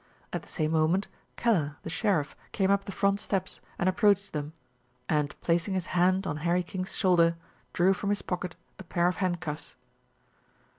At the same moment, Kellar, the sheriff, came up the front steps and approached them, and placing his hand on Harry King's shoulder, drew from his pocket a pair of handcuffs.